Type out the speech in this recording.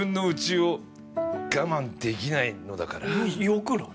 良くない？